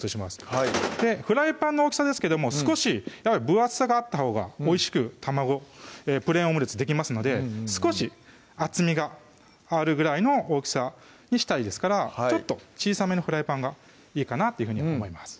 はいフライパンの大きさですけども少し分厚さがあったほうがおいしくプレーンオムレツできますので少し厚みがあるぐらいの大きさにしたいですからちょっと小さめのフライパンがいいかなというふうに思います